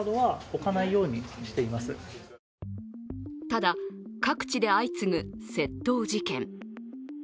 ただ、各地で相次ぐ窃盗事件。